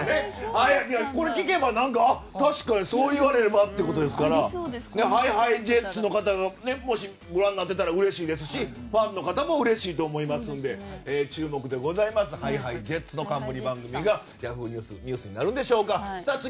聞けば、そう言われればというところですからＨｉＨｉＪｅｔｓの方がもし、ご覧になっていたらうれしいですしファンの方もうれしいと思いますんで注目でございます。ＨｉＨｉＪｅｔｓの冠番組がＹａｈｏｏ！ニュースになるんでしょうか。